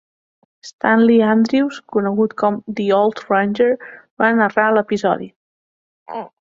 Stanley Andrews, conegut com "The Old Ranger" va narrar l'episodi.